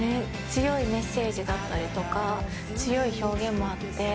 強いメッセージがあったり強い表現もあって。